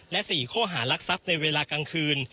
และ๔ข้อหารักทรัพย์ในเวลากลางคืน